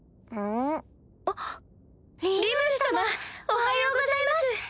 おはようございます！